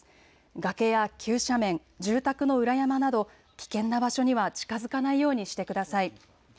崖や急斜面、住宅の裏山など危険な場所には近づかないようにしてください。